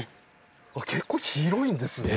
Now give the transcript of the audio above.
結構広いんですね。